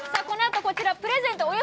このあと、こちらプレゼント